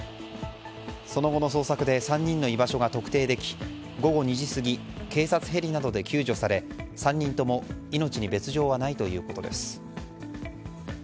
その後の捜索で３人の居場所が特定でき午後２時過ぎ警察ヘリなどで救助され３人とも命に別条はないということです。